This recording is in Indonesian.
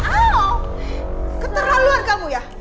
aow keterlaluan kamu ya